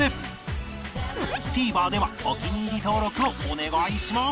ＴＶｅｒ ではお気に入り登録をお願いします